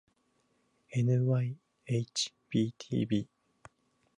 ｎｙｈｂｔｂ